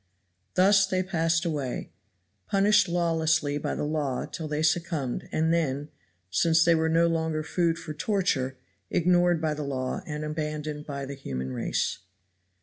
Thus they passed away, punished lawlessly by the law till they succumbed, and then, since they were no longer food for torture, ignored by the law and abandoned by the human race.